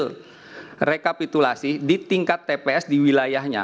hasil rekapitulasi di tingkat tps di wilayahnya